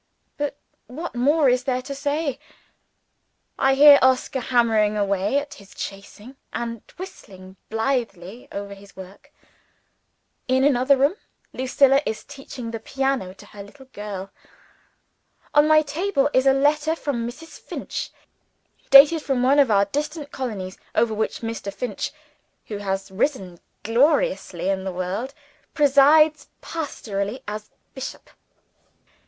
But what more is there to say? I hear Oscar hammering away at his chasing, and whistling blithely over his work. In another room, Lucilla is teaching the piano to her little girl. On my table is a letter from Mrs. Finch, dated from one of our distant colonies over which Mr. Finch (who has risen gloriously in the world) presides pastorally as bishop.